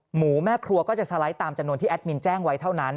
หมูแม่ครัวก็จะสไลด์ตามจำนวนที่แอดมินแจ้งไว้เท่านั้น